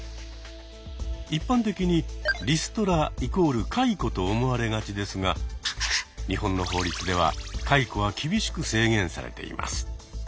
一般的に「リストラ＝解雇」と思われがちですが日本の法律では解雇は厳しく制限されています。